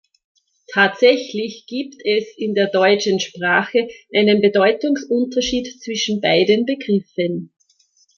Tatsächlich gibt es in der deutschen Sprache einen Bedeutungsunterschied zwischen beiden Begriffen.